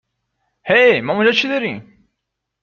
هی ما اونجا چی داریم ؟